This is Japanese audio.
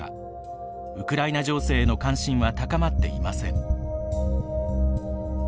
ウクライナ情勢への関心は高まっていません。